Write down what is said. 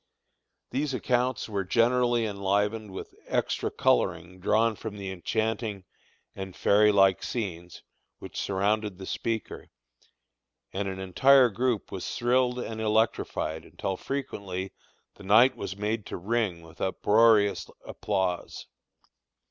These accounts were generally enlivened with extra coloring drawn from the enchanting and fairy like scenes which surrounded the speaker, and an entire group was thrilled and electrified until frequently the night was made to ring with uproarious applause.